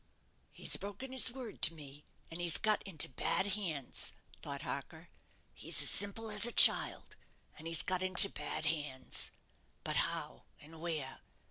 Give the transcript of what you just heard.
"He's broken his word to me, and he's got into bad hands," thought Harker. "He's as simple as a child, and he's got into bad hands. But how and where?